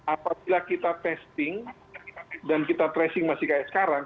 apabila kita testing dan kita tracing masih kayak sekarang